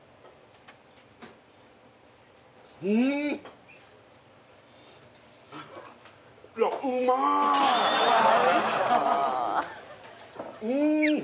うんうん！